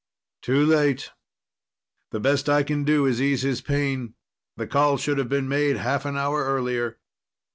"Too late. The best I can do is ease his pain. The call should have been made half an hour earlier."